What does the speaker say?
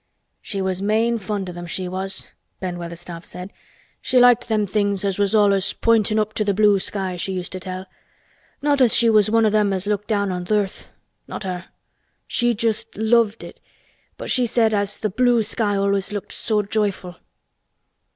"She was main fond o' them—she was," Ben Weatherstaff said. "She liked them things as was allus pointin' up to th' blue sky, she used to tell. Not as she was one o' them as looked down on th' earth—not her. She just loved it but she said as th' blue sky allus looked so joyful."